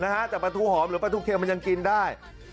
แต่ปลาทูหอมหรือปลาทูเทียมมันยังกินได้